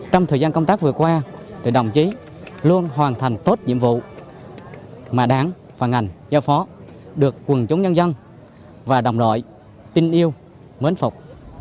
trong thời gian công tác vừa qua đồng chí luôn hoàn thành tốt nhiệm vụ mà đảng và ngành giao phó được quần chúng nhân dân và đồng đội tin yêu mến phục